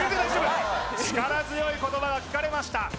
力強い言葉が聞かれました